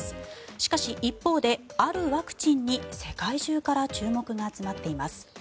しかし、一方であるワクチンに世界中から注目が集まっています。